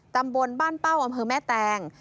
ตำบลบ้านเป้าอำเภอแม่แตง